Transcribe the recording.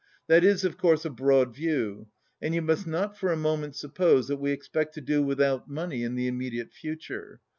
That is of course, a broad view, and you must not for a moment suppose that we expect to do without money in the immediate future.